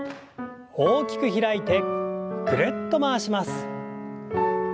大きく開いてぐるっと回します。